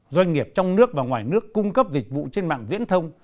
doanh nghiệp trong nước và ngoài nước cung cấp dịch vụ trên mạng viễn thông